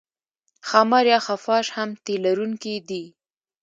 ښامار یا خفاش هم تی لرونکی دی